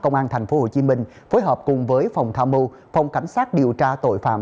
công an tp hcm phối hợp cùng với phòng tham mưu phòng cảnh sát điều tra tội phạm